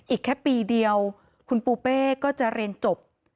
อีกแค่ปีเดียวคุณปูเป้ก็จะเรียนจบ